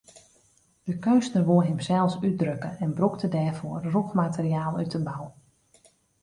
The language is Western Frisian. De keunstner woe himsels útdrukke en brûkte dêrfoar rûch materiaal út de bou.